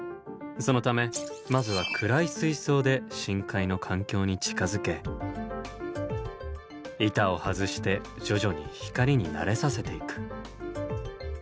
そのためまずは暗い水槽で深海の環境に近づけ板を外して徐々に光に慣れさせていく。